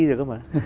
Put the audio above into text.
rồi cơ mà